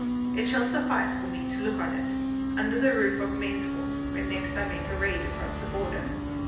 It shall suffice for me to look on it, under the roof of Mainsforth, when next I make a raid across the Border.